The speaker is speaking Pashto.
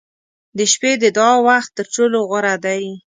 • د شپې د دعا وخت تر ټولو غوره دی.